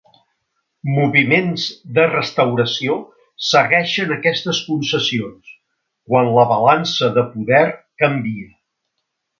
Moviments de restauració segueixen aquestes concessions, quan la balança de poder canvia.